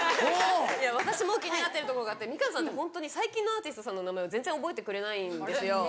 私も気になってるところがあってみかんさんってホントに最近のアーティストさんの名前を全然覚えてくれないんですよ。